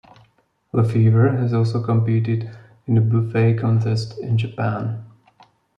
LeFevre has also competed in a buffet contest in Japan.